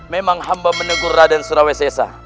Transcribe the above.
memang hamba menegur raden surawesesa